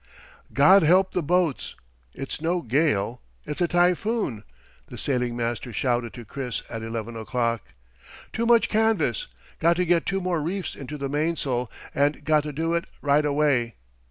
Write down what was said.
"God help the boats! It's no gale! It's a typhoon!" the sailing master shouted to Chris at eleven o'clock. "Too much canvas! Got to get two more reefs into the mainsail, and got to do it right away!"